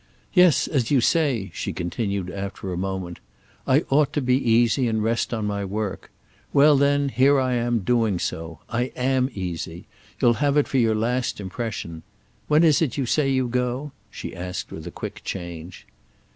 Yes, as you say," she continued after a moment, "I ought to be easy and rest on my work. Well then here am I doing so. I am easy. You'll have it for your last impression. When is it you say you go?" she asked with a quick change.